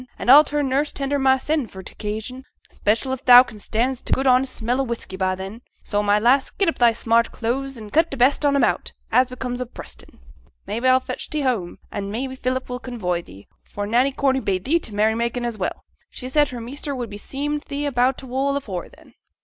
An' a'll turn nurse tender mysen for t' occasion, 'special if thou can stand t' good honest smell o' whisky by then. So, my lass, get up thy smart clothes, and cut t' best on 'em out, as becomes a Preston. Maybe, a'll fetch thee home, an' maybe Philip will convoy thee, for Nanny Corney bade thee to t' merry making, as well. She said her measter would be seem' thee about t' wool afore then.'